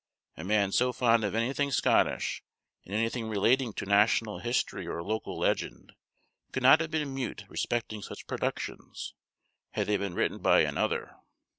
A man so fond of anything Scottish, and anything relating to national history or local legend, could not have been mute respecting such productions, had they been written by another.